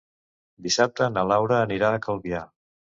Dissabte na Laura anirà a Calvià.